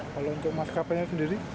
kalau untuk mas kapainya sendiri